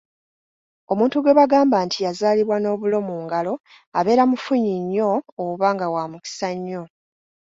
Omuntu gwe bagamba nti yazaalibwa n'obulo mu ngalo abeera mufunyi nnyo oba nga wa mukisa nnyo